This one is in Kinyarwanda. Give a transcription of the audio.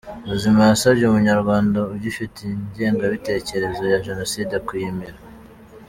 Ruzima yasabye Umunyarwanda ugifite ingengabitekerezo ya Jenoside kuyimira.